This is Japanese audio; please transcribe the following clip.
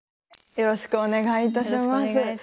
よろしくお願いします。